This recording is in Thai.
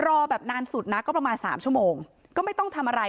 รอแบบนานสุดนะก็ประมาณสามชั่วโมงก็ไม่ต้องทำอะไร